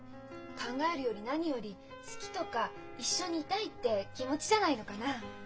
考えるより何より「好き」とか「一緒にいたい」って気持ちじゃないのかな？